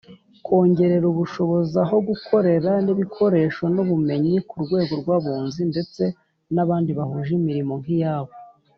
Kongerera ubushobozi aho gukorera n’ ibikoresho n’ ubumenyi kurwego rw abunzi ndetse n’abandi bahuje imirimo nkiyabo.